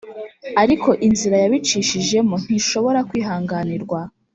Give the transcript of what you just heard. Ariko inzira yabicishijemo ntishobora kwihanganirwa